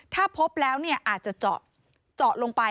ถ้าพบแล้วอาจจะเจาะเจาะลงไป